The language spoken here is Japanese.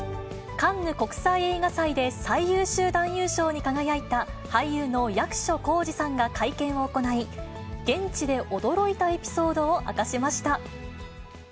カンヌ国際映画祭で最優秀男優賞に輝いた俳優の役所広司さんが会見を行い、現地で驚いたエピソードを明かしました。